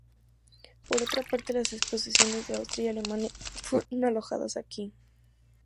Por otra parte, las exposiciones de Austria y Alemania fueron alojadas aquí.